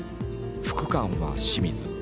副官は清水。